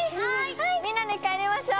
みんなで帰りましょう。